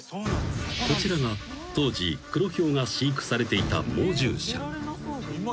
［こちらが当時クロヒョウが飼育されていた猛獣舎］